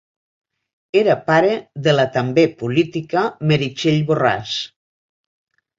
Era pare de la també política Meritxell Borràs.